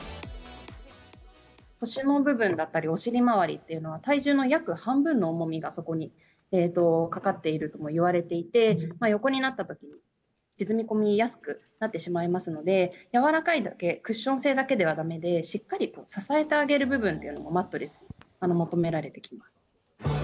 腰の部分だったり、お尻まわりっていうのは、体重の約半分の重みが、そこにかかっているともいわれていて、横になったときに、沈み込みやすくなってしまいますので、柔らかいだけ、クッション性だけではだめで、しっかり支えてあげる部分っていうのも、マットレスに求められてきます。